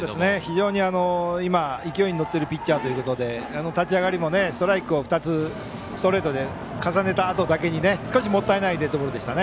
非常に今勢いに乗っているピッチャーということで立ち上がりもストライクを２つストレートで重ねたあとだけにもったいないデッドボールでした。